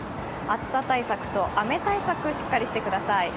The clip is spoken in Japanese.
暑さ対策と雨対策、しっかりしてください。